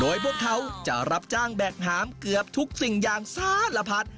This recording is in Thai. โดยพวกเขาจะรับจ้างแบกหามเกือบทุกสิ่งอย่างสารพัด